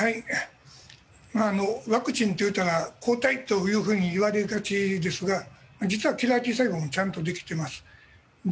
ワクチンといったら抗体というふうに言われがちですが実は、キラーＴ細胞もちゃんとできています。